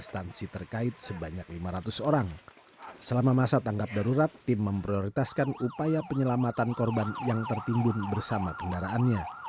tim memprioritaskan upaya penyelamatan korban yang tertimbun bersama kendaraannya